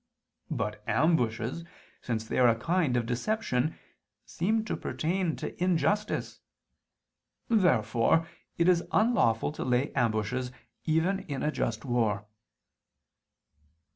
But ambushes, since they are a kind of deception, seem to pertain to injustice. Therefore it is unlawful to lay ambushes even in a just war.